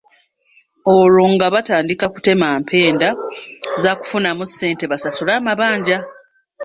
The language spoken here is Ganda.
Olwo nga batandika kutema mpenda za kufunamu ssente basasule amabanja.